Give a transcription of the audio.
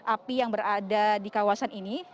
api yang berada di kawasan ini